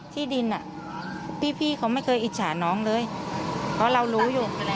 ที่ดินอ่ะพี่เขาไม่เคยอิจฉาน้องเลยเพราะเรารู้อยู่